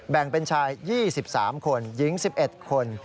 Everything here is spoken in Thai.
แบ่งเป็นชาย๒๓คนหญิง๑๑คน